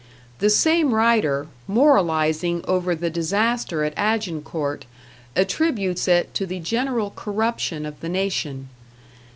The same writer, moralizing over the disaster at Agincourt, attributes it to the general corruption of the nation.